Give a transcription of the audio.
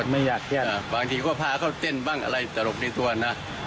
ไม่อยากเชื่อบางทีก็พาเขาเต้นบ้างอะไรตลกในตัวนะ